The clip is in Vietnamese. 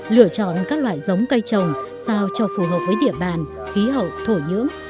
lựa chọn các loại giống cây trồng sao cho phù hợp với địa bàn khí hậu thổ nhưỡng